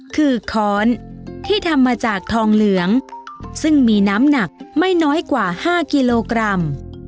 คือค้อนที่ทำมาจากทองเหลืองซึ่งมีน้ำหนักไม่น้อยกว่า๕กิโลกรัม